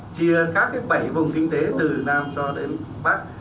chia các cái bảy vùng kinh tế từ nam cho đến bắc